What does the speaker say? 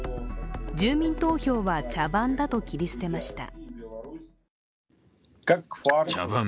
住民投票は茶番だと切り捨てました。